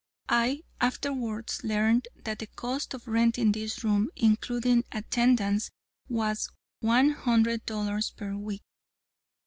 I afterwards learned that the cost of renting this room, including attendance, was one hundred dollars per week.